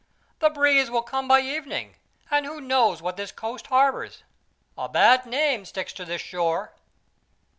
"The breeze will come by evening; and who knows what this coast harbors? A bad name sticks to this shore."